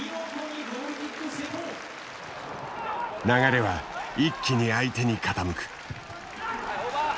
流れは一気に相手に傾く。